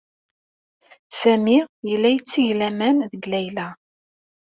Sami yella yetteg laman deg Layla.